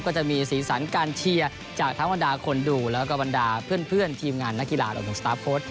ก็จะมีสีสันการเชียร์จากทั้งบรรดาคนดูแล้วก็บรรดาเพื่อนทีมงานนักกีฬารวมถึงสตาร์ฟโค้ด